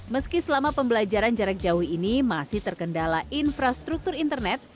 meski selama pembelajaran jarak jauh ini masih terkendala infrastruktur internet